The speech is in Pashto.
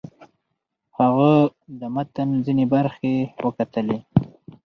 هغه د متن ځینې برخې وکتلې.